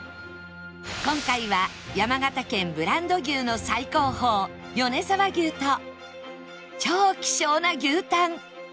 今回は山形県ブランド牛の最高峰米沢牛と超希少な牛タン